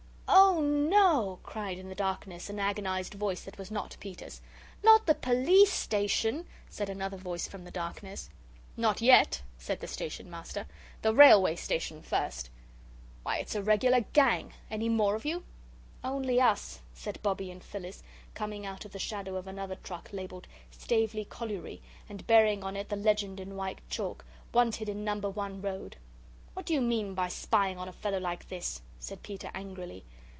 "Oh, no," cried in the darkness an agonised voice that was not Peter's. "Not the POLICE station!" said another voice from the darkness. "Not yet," said the Station Master. "The Railway Station first. Why, it's a regular gang. Any more of you?" "Only us," said Bobbie and Phyllis, coming out of the shadow of another truck labelled Staveley Colliery, and bearing on it the legend in white chalk: 'Wanted in No. 1 Road.' "What do you mean by spying on a fellow like this?" said Peter, angrily.